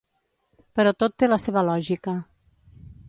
Però tot té la seva lògica.